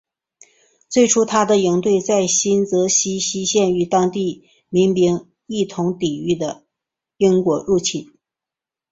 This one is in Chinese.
最初他的营队在新泽西西线与当地民兵一同抵御的英国入侵。